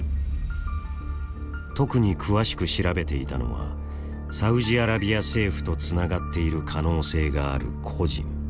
特に詳しく調べていたのはサウジアラビア政府とつながっている可能性がある個人。